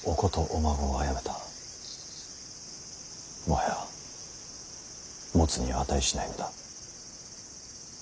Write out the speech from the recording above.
もはや持つに値しない身だ。